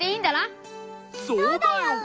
そうだよ！